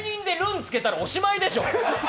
つけたらおしまいでしょ。